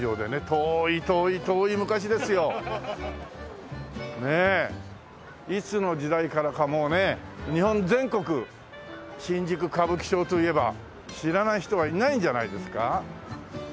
遠い遠い遠い昔ですよ。ねえ。いつの時代からかもうね日本全国新宿歌舞伎町といえば知らない人はいないんじゃないですか？